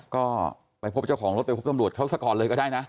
ก็ไปพบเจ้าของรถไปพบตำรวจเขาซะก่อนเลยก็ได้นะ